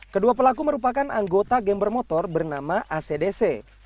kedua pelaku merupakan anggota game bermotor bernama acdc